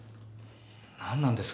なんなんですか？